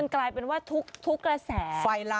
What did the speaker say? กลายเป็นกระแส